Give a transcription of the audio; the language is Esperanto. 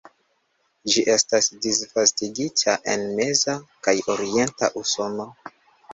Ĝi estas disvastigita en meza kaj orienta Usono.